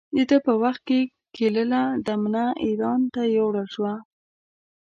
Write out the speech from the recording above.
د ده په وخت کې کلیله و دمنه اېران ته یووړل شوه.